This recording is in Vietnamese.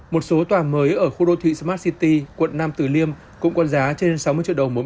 một số tòa mới ở khu đô thị smart city quận nam tử liêm cũng có giá trên sáu mươi triệu đồng mỗi